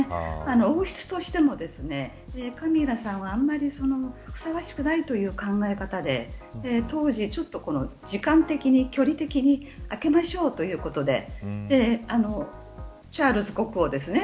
王室としてもカミラさんは、あんまりふさわしくないという考え方で当時ちょっと、時間的に距離的に空けましょうということでチャールズ国王ですね